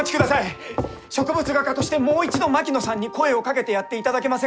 植物画家としてもう一度槙野さんに声をかけてやっていただけませんか？